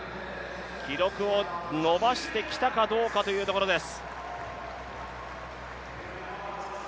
記録を伸ばしてきたかどうかというところです。